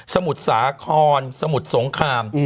สมุดสาขอนสมุดสงคราม